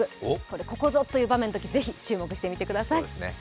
ここぞという場面のときぜひ注目してみてください。